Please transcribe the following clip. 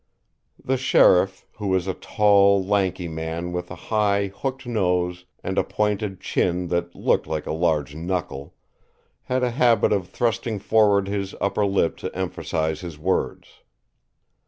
The sheriff, who was a tall, lanky man with a high, hooked nose and a pointed chin that looked like a large knuckle, had a habit of thrusting forward his upper lip to emphasize his words.